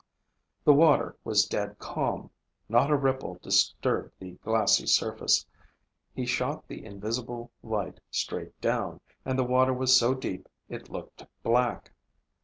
The water was dead calm. Not a ripple disturbed the glassy surface. He shot the invisible light straight down, and the water was so deep it looked black.